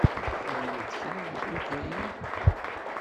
Txedmeḍ kra deg ukayad?